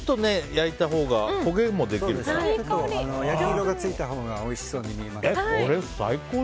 焼き色がついたほうがおいしそうに見えますね。